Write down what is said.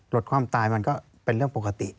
ความตายมันก็เป็นเรื่องปกติ